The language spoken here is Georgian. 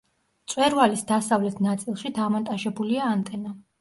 მწვერვალის დასავლეთ ნაწილში დამონტაჟებულია ანტენა.